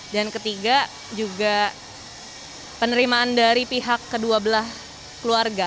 dan ketiga juga penerimaan dari pihak kedua belah keluarga